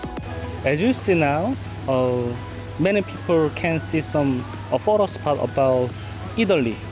seperti yang anda lihat sekarang banyak orang bisa melihat foto spot tentang italia